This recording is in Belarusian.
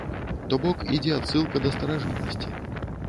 То бок ідзе адсылка да старажытнасці.